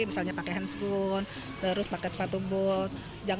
misalnya pakai hand spoon terus pakai sepatu bot